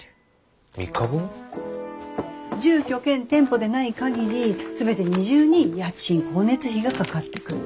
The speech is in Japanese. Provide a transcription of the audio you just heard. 住居兼店舗でない限り全て二重に家賃光熱費がかかってくる。